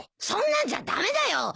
そんなんじゃ駄目だよ！